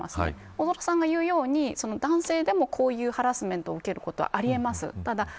大空さんが言うように、男性でもこういうハラスメントを受けることあり得ます。